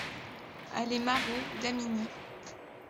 Allée Marot, Damigny